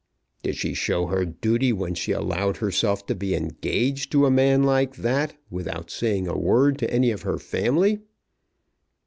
"Did she show her duty when she allowed herself to be engaged to a man like that without saying a word to any of her family."